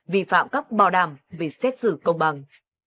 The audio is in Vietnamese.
vi phạm các bào đàm về xét xử công bằng